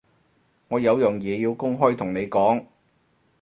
我有樣嘢要公開同你講